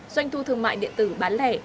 doanh thu thương mại điện tử bán lẻ